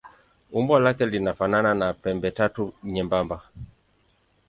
Umbo lake linafanana na pembetatu nyembamba.